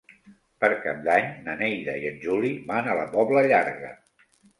Per Cap d'Any na Neida i en Juli van a la Pobla Llarga.